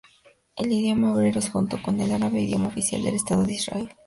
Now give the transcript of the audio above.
El idioma hebreo es, junto con el árabe, idioma oficial del Estado de Israel.